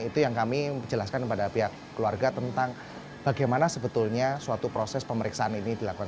itu yang kami jelaskan kepada pihak keluarga tentang bagaimana sebetulnya suatu proses pemeriksaan ini dilakukan